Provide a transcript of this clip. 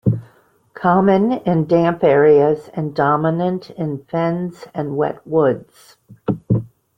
Common in damp areas and dominant in fens and wet woods.